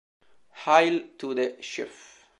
Hail to the Chief!